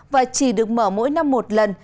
và chỉ được mở mỗi năm một lần